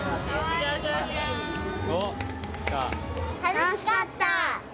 楽しかった！